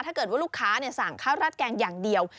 ถ้าเกิดว่าลูกค้าสั่งข้าวราดแกงอย่างเดียว